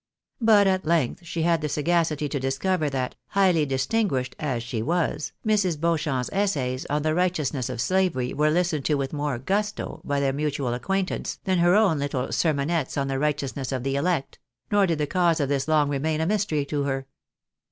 But at length she had the sagacity to discover that " highly distinguished" as she was, Mrs. Beauchamp's essays on the righteousness of slavery were listened to with more gusto by their mutual acquaintance, than her own little sermonettes on the righteousness of the elect ; nor did the cause of this long remain a mystery to her.